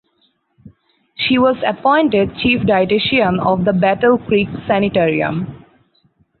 She was appointed Chief Dietitian of the Battle Creek Sanitarium.